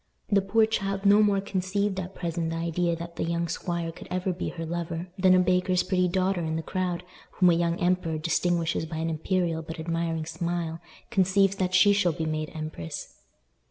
The poor child no more conceived at present the idea that the young squire could ever be her lover than a baker's pretty daughter in the crowd, whom a young emperor distinguishes by an imperial but admiring smile, conceives that she shall be made empress.